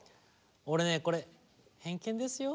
俺ねこれ偏見ですよ？